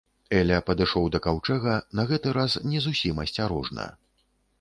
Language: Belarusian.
Эля падышоў да каўчэга, на гэты раз не зусім асцярожна.